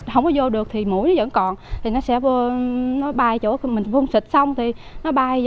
không có vô được thì mũi vẫn còn nó sẽ bay chỗ mình phun xịt xong thì nó bay